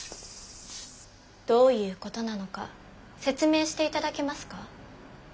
どういうことなのか説明して頂けますか？